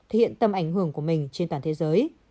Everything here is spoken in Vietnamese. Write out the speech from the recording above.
hiện tầm ảnh hưởng của mình trên toàn thế giới